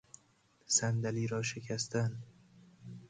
صندلی را شکستن